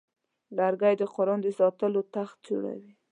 لرګی د قرآن د ساتلو تخت جوړوي.